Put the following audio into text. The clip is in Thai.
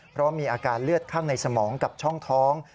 เพราะมีอาการเลือดข้างในสมองกับช่องท้อง